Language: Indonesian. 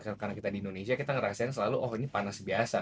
karena kita di indonesia kita ngerasain selalu oh ini panas biasa